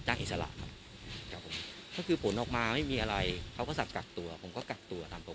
ใช่คือช่วงนี้ฝุ่นเยอะหน่อยอะไรเยอะหน่อยก็ไอใช่ครับแล้วที่นี้ทางทางบริษัท